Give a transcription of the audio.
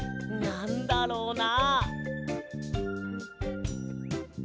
なんだろうな？